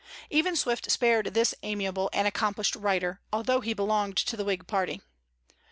Even Swift spared this amiable and accomplished writer, although he belonged to the Whig party.